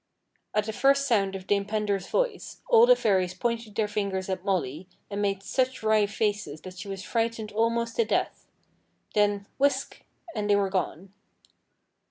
At the first sound of Dame Pendar's voice, all the Fairies pointed their fingers at Molly, and made such wry faces that she was frightened almost to death. Then whisk! and they were gone!